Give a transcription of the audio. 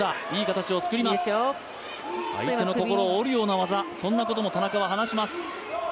相手の心を折るような技、そんなことも田中は話します。